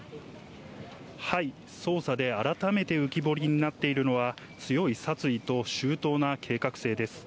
捜査で改めて浮き彫りになっているのは、強い殺意と周到な計画性です。